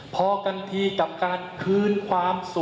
พอกันทีกับการคืนความสุข